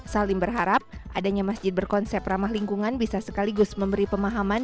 salim berharap adanya masjid berkonsep ramah lingkungan bisa sekaligus memberi pemahaman